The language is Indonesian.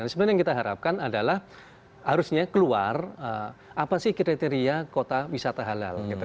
sebenarnya yang kita harapkan adalah harusnya keluar apa sih kriteria kota wisata halal gitu